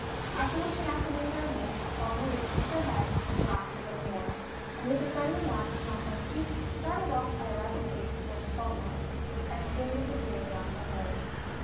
After looking after him for a minute, Bonne Marie shook her head, laughed a little more, and with a friendly nod to Jean Baptiste, started off at a rapid pace towards Beaumont, and soon disappeared around the hill.